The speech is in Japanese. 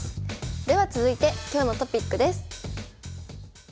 では続いて今日のトピックです。